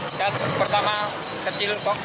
sekat pertama kecil kok